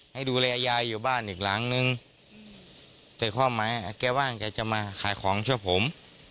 ให้ดูแลยายอยู่บ้านอีกหลังนึงแต่ความหมายแกว่างแกจะมาขายของช่วยผม